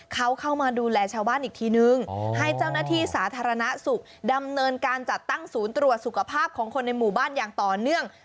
เขาเข้ามาดูแลชาวบ้านอีกทีนึงให้เจ้าหน้าที่สาธารณสุขดำเนินการจัดตั้งศูนย์ตรวจสุขภาพของคนในหมู่บ้านอย่างต่อเนื่อง